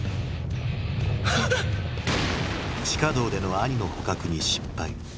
地下道でのアニの捕獲に失敗。